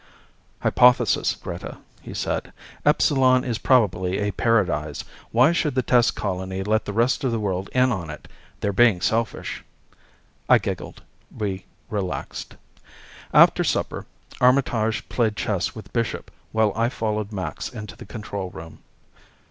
"Hypothesis, Greta," he said. "Epsilon is probably a paradise. Why should the test colony let the rest of the world in on it? They're being selfish." I giggled. We relaxed. After supper, Armitage played chess with Bishop while I followed Max into the control room.